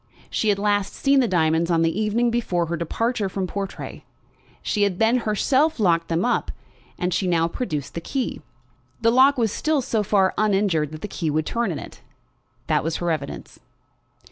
She had last seen the diamonds on the evening before her departure from Portray. She had then herself locked them up, and she now produced the key. The lock was still so far uninjured that the key would turn it. That was her evidence.